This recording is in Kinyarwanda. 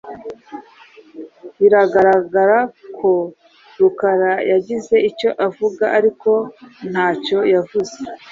Biragaragara ko Rukara yagize icyo avuga, ariko ntacyo yavuze.